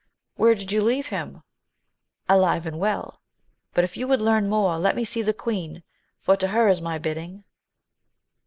— Where did you leave him ?— ^Alive and well ! but if you would learn more, let me see the queen, for to her is my bidding.